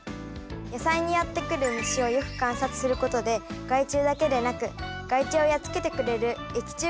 野菜にやって来る虫をよく観察することで害虫だけでなく害虫をやっつけてくれる益虫がいることも知りました。